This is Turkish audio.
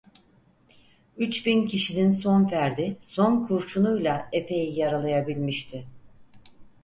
Üç bin kişinin son ferdi, son kurşunuyla efeyi yaralayabilmişti.